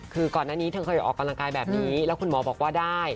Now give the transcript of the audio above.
คือก่อนหน้านี้เธอเคยออกกำลังกายแบบนี้แล้วคุณหมอบอกว่าได้